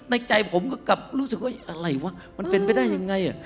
ในใจผมก็กลับรู้สึกว่าอะไรวะมันเป็นไปได้ยังไง